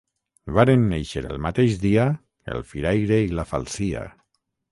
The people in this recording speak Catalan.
Varen néixer el mateix dia el firaire i la falsia.